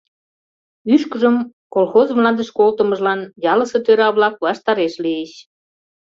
Ӱшкыжым колхоз мландыш колтымыжлан ялысе тӧра-влак ваштареш лийыч.